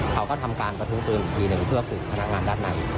เขาก็ทำการประทุ้งปืนอีกทีหนึ่งเพื่อฝึกพนักงานด้านใน